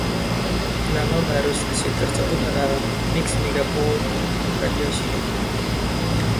Nama baru stasiun tersebut adalah Mix Megapol Radio City.